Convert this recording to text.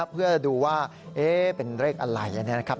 เพื่อดูว่าเป็นเลขอะไรนะครับ